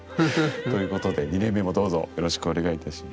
ということで２年目もどうぞよろしくお願いいたします。